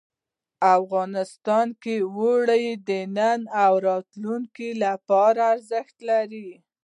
افغانستان کې اوړي د نن او راتلونکي لپاره ارزښت لري.